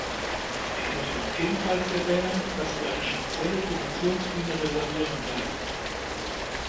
Ich möchte ebenfalls erwähnen, dass wir eine spezielle Finanzierungslinie reservieren werden.